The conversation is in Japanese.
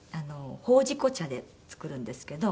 ほうじ粉茶で作るんですけど。